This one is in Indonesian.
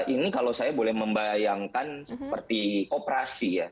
ini kalau saya boleh membayangkan seperti operasi ya